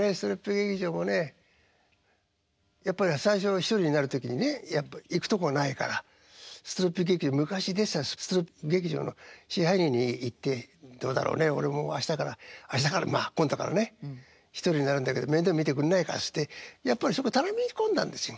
やっぱり最初１人になる時にね行くとこないから昔出てたストリップ劇場の支配人に言ってどうだろうね俺も明日から明日からまあ今度からね１人になるんだけど面倒見てくんないかっつってやっぱりそこ頼み込んだんですよ。